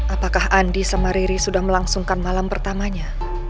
apakah andi dan riri sudah melangsungkan malam pertamanya